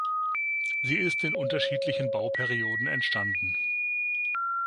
Sie ist in unterschiedlichen Bauperioden entstanden.